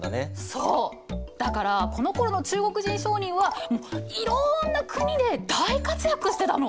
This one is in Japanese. そうだからこのころの中国人商人はいろんな国で大活躍してたの！